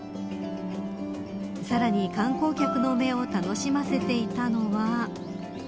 さらに観光客の目を楽しませていたのは。